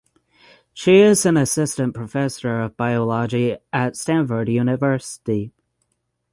She is an Assistant Professor of Biology at Stanford University.